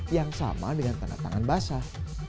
yang sama dengan tanda tangan basah